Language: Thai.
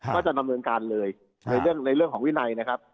ก็จะดำเนินการเลยในเรื่องของวินัยนะครับ